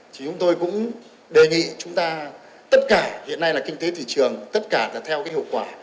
thì chúng tôi cũng đề nghị chúng ta tất cả hiện nay là kinh tế thị trường tất cả là theo cái hiệu quả